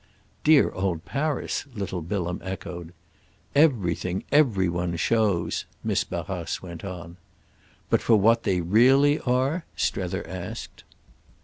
"Dear old Paris!" little Bilham echoed. "Everything, every one shows," Miss Barrace went on. "But for what they really are?" Strether asked.